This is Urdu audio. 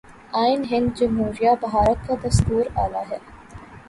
آئین ہند جمہوریہ بھارت کا دستور اعلیٰ ہے